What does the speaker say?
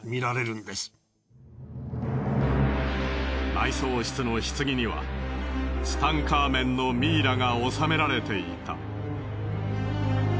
埋葬室の棺にはツタンカーメンのミイラが納められていた。